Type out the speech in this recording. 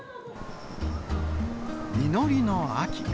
実りの秋。